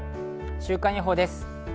週間予報です。